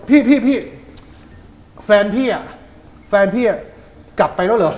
พี่พี่แฟนพี่อ่ะแฟนพี่อ่ะกลับไปแล้วเหรอ